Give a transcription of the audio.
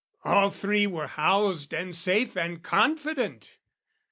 All three were housed and safe and confident.